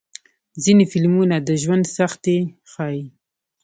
ځینې فلمونه د ژوند سختۍ ښيي.